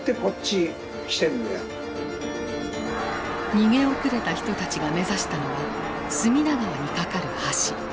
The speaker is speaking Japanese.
逃げ遅れた人たちが目指したのは隅田川に架かる橋。